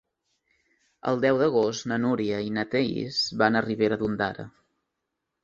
El deu d'agost na Núria i na Thaís van a Ribera d'Ondara.